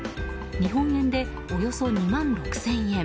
日本円でおよそ２万６０００円。